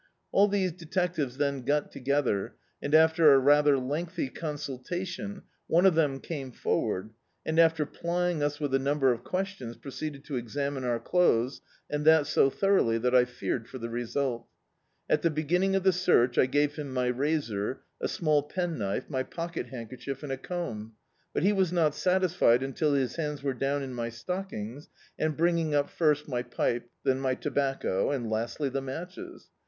All these detectives then got t<^ether, and, after a rather lengthy consultation, one of them came forward and, after plying us with a number of questions, proceeded to examine our clothes, and that so thoroughly that I feared for the result At the beginning of the search, I gave him my razor, a small penknife, my pocket handkerchief and a comb, but he was not satisfied until his hands were down in my stockings, and bringing up first my pipe, then my tobacco^ and lastly the matches.